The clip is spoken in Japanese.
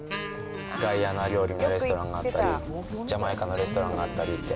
ガイアナ料理のレストランがあったり、ジャマイカのレストランがあったりって。